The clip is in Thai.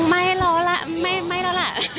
ไม่แล้วล่ะไม่ไม่แล้วล่ะ